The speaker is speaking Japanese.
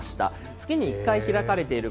月に１回開かれている